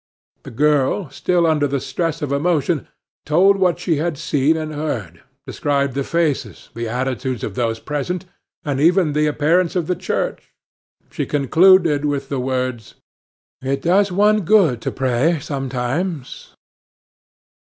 The girl, still under the stress of emotion, told what she had seen and heard, described the faces, the attitudes of those present, and even the appearance of the church. She concluded with the words: "It does one good to pray sometimes."